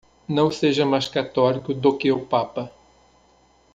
Não seja mais católico do que papa.